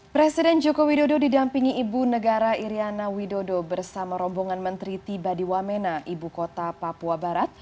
presiden joko widodo didampingi ibu negara iryana widodo bersama rombongan menteri tiba di wamena ibu kota papua barat